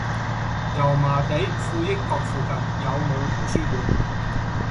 油麻地富益閣附近有無圖書館？